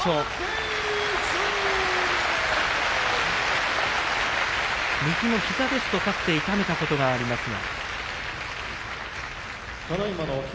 拍手右の膝ですと、かつて痛めたことがありますが。